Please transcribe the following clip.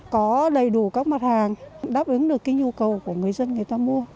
có đầy đủ các mặt hàng đáp ứng được cái nhu cầu của người dân người ta mua